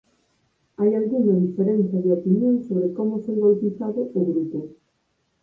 Hai algunha diferenza de opinión sobre como foi bautizado o grupo.